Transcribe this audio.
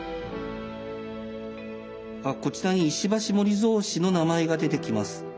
こちらに石橋守造氏の名前が出てきます。